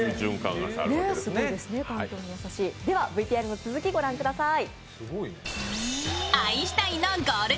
ＶＴＲの続き、御覧ください。